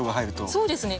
そうですね。